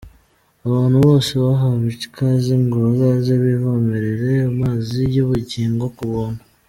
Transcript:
Abantu bose bahawe ikaze ngo bazaze bivomerere amazi y’ubugingo ku buntu.